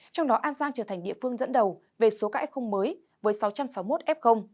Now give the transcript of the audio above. trong đó an giang trở thành địa phương dẫn đầu về số cãi không mới với sáu trăm sáu mươi một f